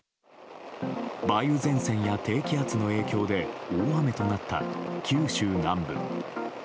梅雨前線や低気圧の影響で大雨となった九州南部。